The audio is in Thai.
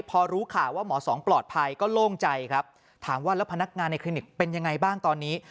พอรู้ข่าวว่าหมอสองปลอดภัยก็โล่งใจครับถามว่าแล้วพนักงานในคลินิกเป็นยังไงบ้างตอนนี้